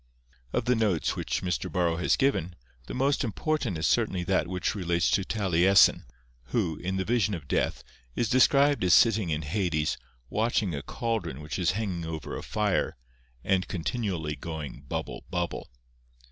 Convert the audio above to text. Of the notes which Mr. Borrow has given, the most important is certainly that which relates to Taliesin, who, in the Vision of Death, is described as sitting in Hades, watching a caldron which is hanging over a fire, and is continually going bubble, bubble.